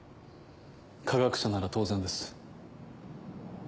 科学者なら当然です。